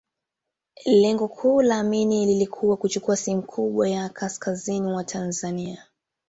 Lengo kuu la Amin lilikuwa kuchukua sehemu kubwa ya kaskazini mwa Tanzania